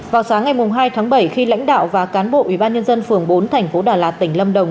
vào sáng ngày hai tháng bảy khi lãnh đạo và cán bộ ubnd phường bốn thành phố đà lạt tỉnh lâm đồng